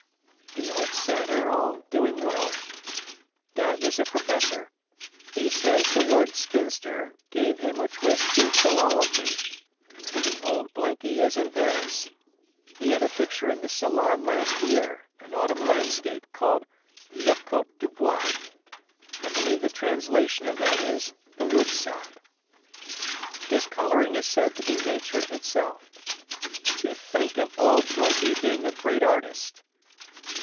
The old set are all doing well. Doug is a professor. He says the word "spinster" gave him a twist to philology. Old Blinky is in Paris. He had a picture in the salon last year, an autumn landscape, called "Le Cote du Bois". I believe the translation of that is "The Woodside". His coloring is said to be nature itself. To think of old Blinky being a great artist!